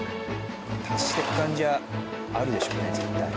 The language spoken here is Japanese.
足してく感じはあるでしょうね絶対。